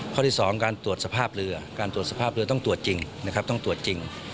ข้อที่๒การตรวจสภาพเรือการตรวจสภาพเรือต้องตรวจจริงนะครับต้องตรวจจริง